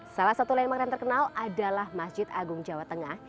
salah satu lembangan terkenal adalah masjid agung jawa tengah